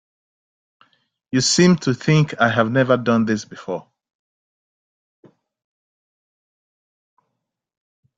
You seem to think I've never done this before.